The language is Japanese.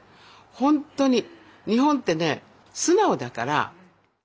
ほんとに日本ってね素直だから。